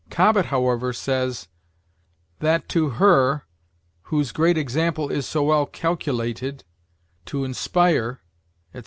Cobbett, however, says, "That, to Her, whose great example is so well calculated to inspire," etc.